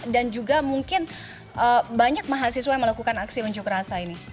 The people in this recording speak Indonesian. dan juga mungkin banyak mahasiswa yang melakukan aksi unjuk rasa ini